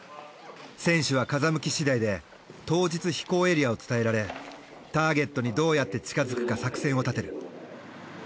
選手は風向き次第で当日飛行エリアを伝えられターゲットにどうやって近づくか作戦を立てる。